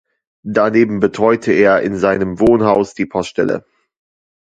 Daneben betreute er in seinem Wohnhaus die Poststelle.